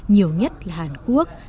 nhiều nhất là hàn quốc